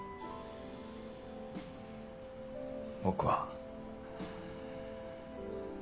僕は。